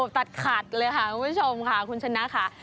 ตัดขาดเลยค่ะคุณผู้ชมค่ะคุณชนะค่ะ